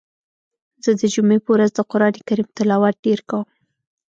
زه د جمعی په ورځ د قرآن کریم تلاوت ډیر کوم.